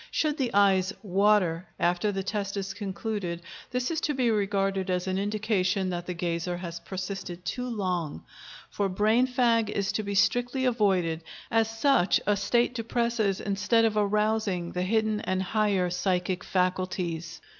Should the eyes "water" after the test is concluded, this is to be regarded as an indication that the gazer has persisted too long; for brain fag is to be strictly avoided, as such a state depresses instead of arousing the hidden and higher psychic faculties.